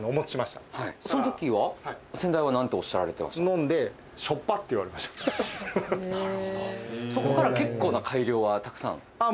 飲んで「しょっぱっ！」って言われましたなるほどそこから結構な改良はたくさんああ